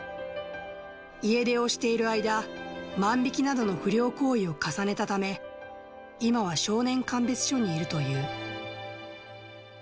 家出をしている間、万引きなどの不良行為を重ねたため、今は少年鑑別所にいるという。